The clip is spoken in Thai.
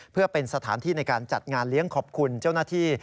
เพื่อเป็นสถานที่ในการจัดงานเลี้ยงขอบคุณเจ้าหน้าที่